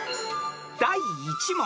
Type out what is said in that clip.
［第１問］